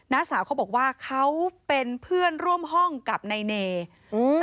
สาวเขาบอกว่าเขาเป็นเพื่อนร่วมห้องกับนายเนอืม